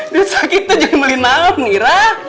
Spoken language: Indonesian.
dek sakit tuh juga muli nafm irah